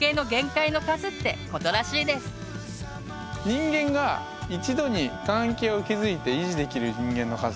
人間が一度に関係を築いて維持できる人間の数。